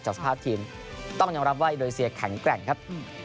สภาพทีมต้องยอมรับว่าอินโดนีเซียแข็งแกร่งครับ